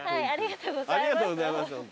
ありがとうございます。